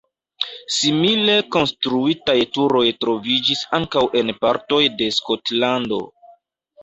Simile konstruitaj turoj troviĝis ankaŭ en partoj de Skotlando.